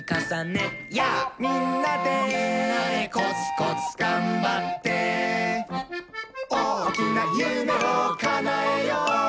みんなでーみんなでーコツコツがんばっておおきなゆめをかなえよう！